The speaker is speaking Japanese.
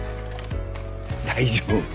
大丈夫。